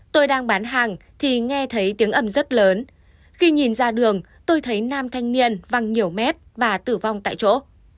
tôi đang bán hàng thì nghe thấy tiếng âm rất lớn khi nhìn ra đường tôi thấy nam thanh niên văng nhiều mét và tử vong tại chỗ